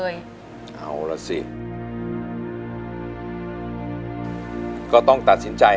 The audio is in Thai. ยากเนอะ